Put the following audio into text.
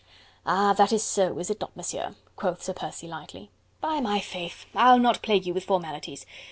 "Ah! that is so, is it not, Monsieur?" quoth Sir Percy lightly. "By my faith! I'll not plague you with formalities....